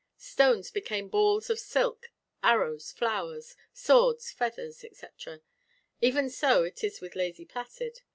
Stones became balls of silk arrows, flowers swords, feathers, etc. Even so it is with Lady Placid.